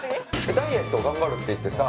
ダイエットを頑張るって言ってさ。